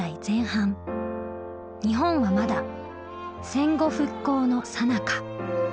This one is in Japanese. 日本はまだ戦後復興のさなか。